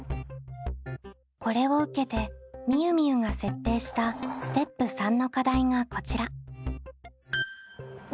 これを受けてみゆみゆが設定したステップ③の課題がこちら。